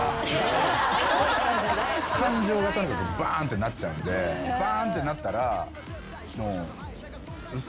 感情がとにかくバーンってなっちゃうんでバーンってなったら。